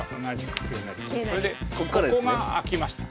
これでここが空きました。